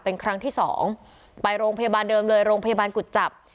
เป็นครั้งที่สองไปโรงพยาบาลเดิมเลยโรงพยาบาลกุจจับ